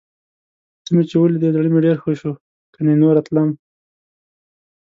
ته مې چې ولیدې، زړه مې ډېر ښه شو. کني نوره تلم.